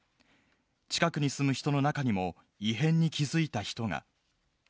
近くに住む人の中にも、異変に気付いた人が。